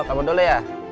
oh kamu dulu ya